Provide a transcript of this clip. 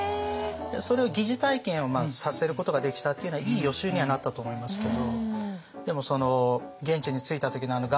それを疑似体験をさせることができたっていうのはいい予習にはなったと思いますけど。